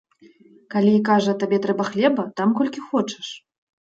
Калі, кажа, табе трэба хлеба, дам колькі хочаш.